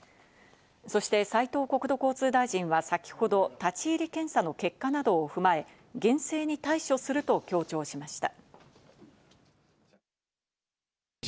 そして斉藤国土交通大臣は先ほど、立ち入り検査の結果などを踏まえ、厳正に対処すると強調しました。